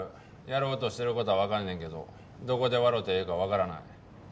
やろうとしてる事はわかんねんけどどこで笑うてええかわからない。